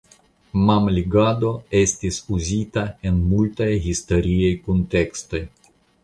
Mamligado estis uzita en multaj historiaj kuntekstoj.